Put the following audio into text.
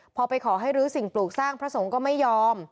พอไปขอให้รื้อสิ่งปลูกสร้างพระสงฆ์ก็ไม่ยอม